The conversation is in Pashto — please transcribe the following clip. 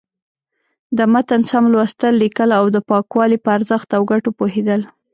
د متن سم لوستل، ليکل او د پاکوالي په ارزښت او گټو پوهېدل.